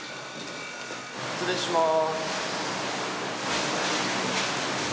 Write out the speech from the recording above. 失礼します。